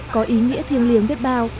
có ý nghĩa thiêng liêng biết bao